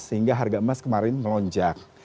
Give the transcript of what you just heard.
sehingga harga emas kemarin melonjak